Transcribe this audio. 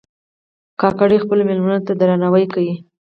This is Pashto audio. کاکړي خپلو مېلمنو ته درناوی کوي.